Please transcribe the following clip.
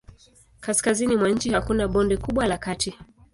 Kaskazini mwa nchi hakuna bonde kubwa la kati.